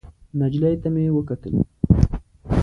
نجلۍ ته مې وکتل.